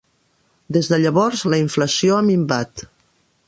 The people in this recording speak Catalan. Des de llavors, la inflació ha minvat.